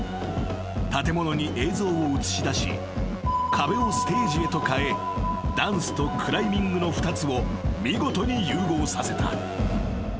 ［建物に映像を映し出し壁をステージへと変えダンスとクライミングの２つを見事に融合させた］